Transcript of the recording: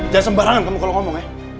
jangan sembarangan kamu kalau ngomong ya